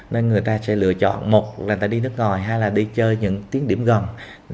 nên người ta sẽ lựa chọn một là đi nước ngoài hay là đi chơi những tiến điểm gần